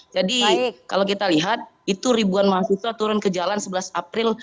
jadi kalau kita lihat itu ribuan mahasiswa turun ke jalan sebelas april